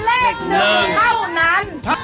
ไม่ต้องกลัวไม่ต้องกลัว